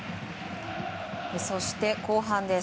そして後半です。